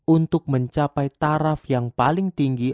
untuk mencapai taraf yang paling tinggi